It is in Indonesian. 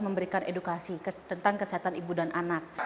memberikan edukasi tentang kesehatan ibu dan anak